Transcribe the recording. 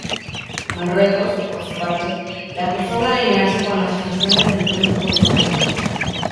Marruecos, por su parte, le acusó de alinearse con las posiciones del Frente Polisario.